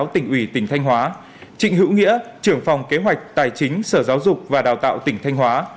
trịnh hữu nghĩa trưởng phòng kế hoạch tài chính sở giáo dục và đào tạo tỉnh thanh hóa